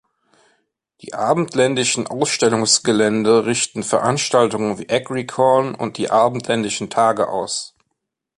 Die abendländischen Ausstellungsgelände richten Veranstaltungen wie Agricorn und die abendländischen Tage aus.